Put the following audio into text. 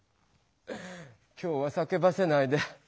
今日はさけばせないで。